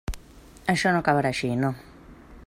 Això no acabarà així, no.